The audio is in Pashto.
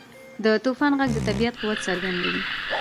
• د توپان ږغ د طبیعت قوت څرګندوي.